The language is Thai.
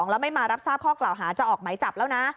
แล้วไม่มารับทราบข้อกล่าวหาจะออกไหมจับแล้วนะ